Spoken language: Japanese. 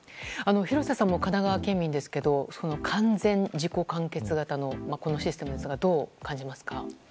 廣瀬さんも神奈川県民ですが完全自己完結型のこのシステムですがどう感じますか？